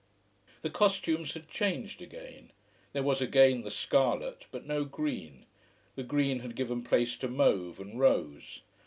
The costumes had changed again. There was again the scarlet, but no green. The green had given place to mauve and rose.